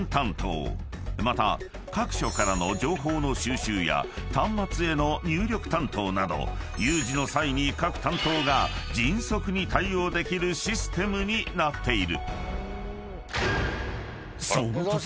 ［また各所からの情報の収集や端末への入力担当など有事の際に各担当が迅速に対応できるシステムになっている］